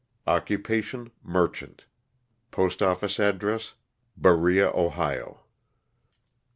Occupation — merchant. PostoflBce address, Berea, Ohio.